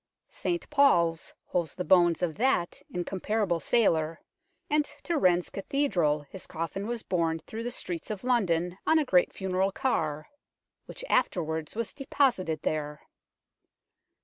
St Paul's holds the bones of that in comparable sailor, and to Wren's Cathedral his coffin was borne through the streets of London WAXWORKS IN THE ABBEY 201 on a great funeral car, which afterwards was deposited there.